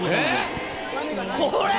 これ！